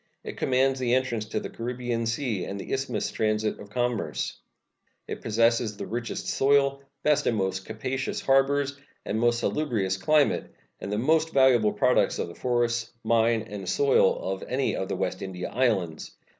It commands the entrance to the Caribbean Sea and the Isthmus transit of commerce. It possesses the richest soil, best and most capacious harbors, most salubrious climate, and the most valuable products of the forests, mine, and soil of any of the West India Islands.